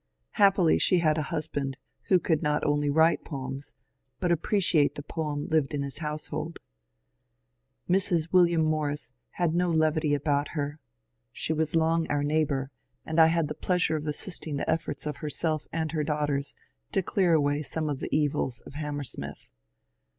Happily she had a hus band who could not only write poems but appreciate the poem lived in his household. Mrs. William Morris had no levity about her ; she was long our neighbour, and I had the plea sure of assisting the efforts of herself and her daughters to clear away some of the evils of Hammersmith.